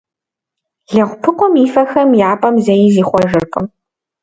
Лэгъупыкъум и фэхэм я пӏэм зэи зихъуэжыркъым.